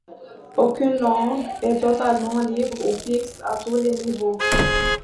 Aucune langue est totalement libre ou fixe à tous les niveaux.